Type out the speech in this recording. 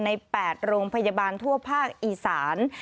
ใน๘โรงพยาบาลทั่วภาคอีสาน